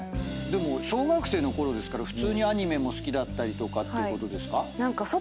でも小学生のころですから普通にアニメも好きだったりとかっていうことですか？